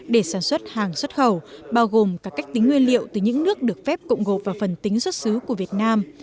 để sản xuất hàng xuất khẩu bao gồm cả cách tính nguyên liệu từ những nước được phép cộng gộp vào phần tính xuất xứ của việt nam